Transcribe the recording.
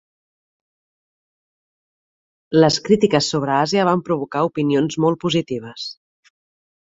Les crítiques sobre Àsia van provocar opinions molt positives.